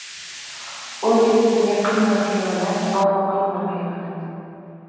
Oʼz yurtingga qilma xiyonat-o, qilma xiyonat